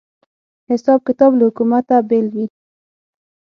حساب کتاب له حکومته بېل وي